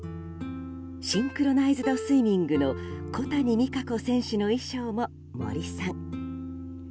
シンクロナイズドスイミングの小谷実可子選手の衣装も森さん。